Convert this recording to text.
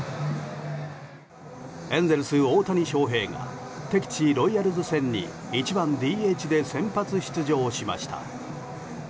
エンゼルス、大谷翔平が敵地ロイヤルズ戦に１番ＤＨで先発出場しました。